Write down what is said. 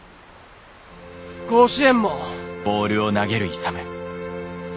甲子園も。